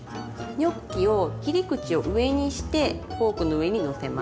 ニョッキを切り口を上にしてフォークの上にのせます。